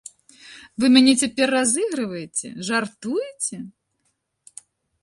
Вы мяне цяпер разыгрывае, жартуеце?